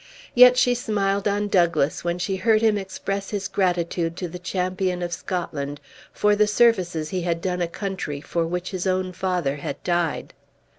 Yet she smiled on Douglas when she heard him express his gratitude to the champion of Scotland for the services he had done a country for which his own father had died.